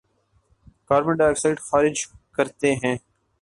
carbon dioxide خارج کرتے ہیں